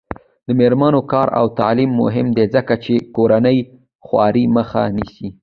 د میرمنو کار او تعلیم مهم دی ځکه چې کورنۍ خوارۍ مخه نیسي.